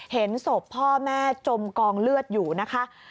เห็นศพพ่อแม่จมกองเลือดอยู่นะคะ